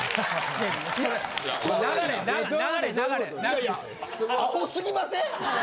いやいやアホすぎません？